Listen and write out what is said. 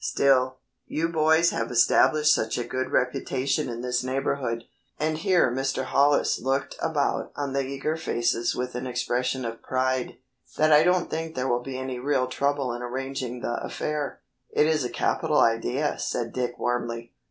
Still, you boys have established such a good reputation in this neighborhood," and here Mr. Hollis looked about on the eager faces with an expression of pride, "that I don't think there will be any real trouble in arranging the affair." "It is a capital idea," said Dick, warmly.